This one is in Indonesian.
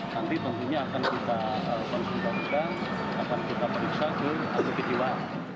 nanti tentunya akan kita lakukan kita lakukan akan kita periksa kejewaan